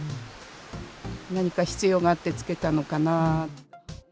何か必要があってつけたのかなって。